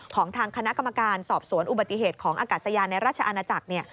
ของทางคณะกรรมการสอบสวนอุบัติเหตุของอากาศยานในราชอาณาจักรเนี่ย